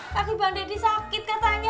tapi bang deddy sakit katanya